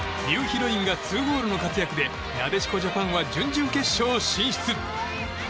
ニューヒロインが２ゴールの活躍でなでしこジャパンは準々決勝進出。